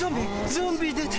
ゾンビ出た！